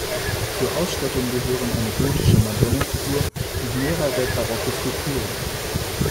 Zur Ausstattung gehören eine gotische Madonnenfigur und mehrere barocke Skulpturen.